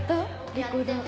リコーダー。